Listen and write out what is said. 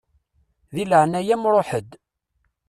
Di leɛnaya-m ṛuḥ-d.